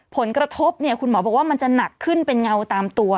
ผลกระทบเนี่ยคุณหมอบอกว่ามันจะหนักขึ้นเป็นเงาตามตัว